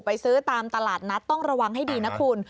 ไปซื้อตามตลาดนัดต้องระวังให้ดีนะคุณ